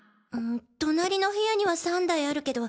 隣の部屋には３台あるけど。